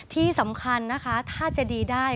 ที่สำคัญนะคะถ้าจะดีได้